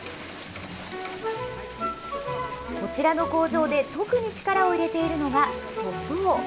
こちらの工場で特に力を入れているのが塗装。